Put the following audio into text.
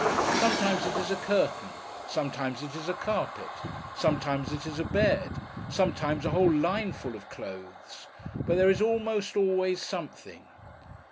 Sometimes, it is a curtain; sometimes, it is a carpet; sometimes, it is a bed; sometimes, a whole line full of clothes; but there is almost always something.